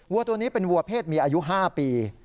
วัวตัวนี้เป็นวัวเพศเมียอายุ๕ปี